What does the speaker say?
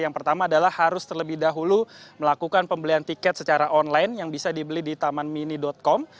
yang pertama adalah harus terlebih dahulu melakukan pembelian tiket secara online yang bisa dibeli di tamanmini com